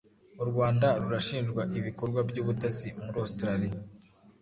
U Rwanda rurashinjwa ibikorwa by'ubutasi muri Australia